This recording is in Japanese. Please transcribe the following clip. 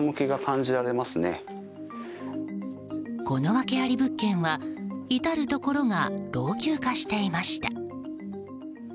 この訳あり物件は至るところが老朽化していました。